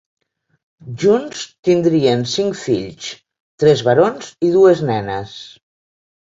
Junts tindrien cinc fills, tres barons i dues nenes.